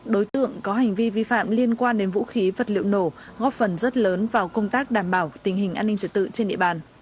đối tượng có hành vi vi phạm liên quan đến vũ khí vật liệu nổ góp phần rất lớn vào công tác đảm bảo tình hình an ninh trật tự trên địa bàn